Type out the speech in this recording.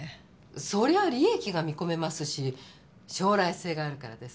そりゃ利益が見込めますし将来性があるからです。